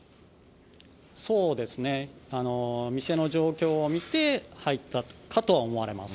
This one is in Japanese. そうですね、店の状況を見て入ったかとは思われます。